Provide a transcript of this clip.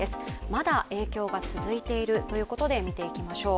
まだ影響が続いているということで見ていきましょう。